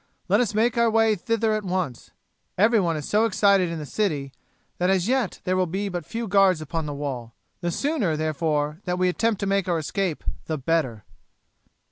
"Let us make our way thither at once. Everyone is so excited in the city, that, as yet, there will be but few guards upon the wall. The sooner, therefore, that we attempt to make our escape the better."